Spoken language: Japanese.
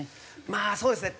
まあそうですね。